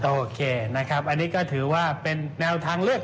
โอเคนะครับอันนี้ก็ถือว่าเป็นแนวทางเลือก